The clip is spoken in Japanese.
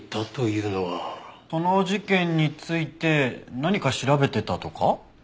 その事件について何か調べてたとか？